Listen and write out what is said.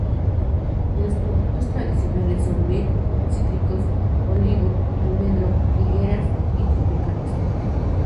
Los productos tradicionales son vid, cítricos, olivo, almendro, higueras y tropicales.